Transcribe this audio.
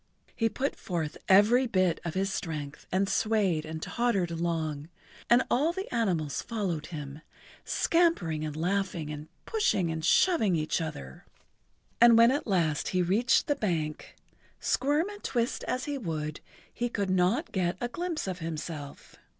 He put forth every bit of his strength and swayed and tottered along, and all the animals followed him, scampering and laughing and pushing and shoving each other. And[Pg 85] when he at last reached the bank, squirm and twist as he would, he could not get a glimpse of himself.